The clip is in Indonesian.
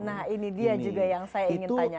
nah ini dia juga yang saya ingin tanya